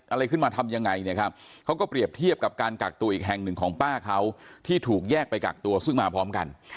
อะไรขึ้นมาทำยังไงเนี่ยครับเขาก็เปรียบเทียบกับการกักตัวอีกแห่งหนึ่งของป้าเขาที่ถูกแยกไปกักตัวซึ่งมาพร้อมกัน